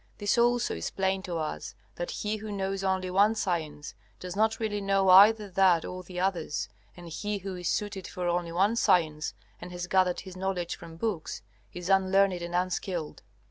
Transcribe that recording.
This also is plain to us that he who knows only one science, does not really know either that or the others, and he who is suited for only one science and has gathered his knowledge from books, is unlearned and unskilled.